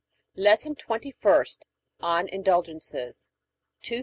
LESSON TWENTY FIRST ON INDULGENCES 231.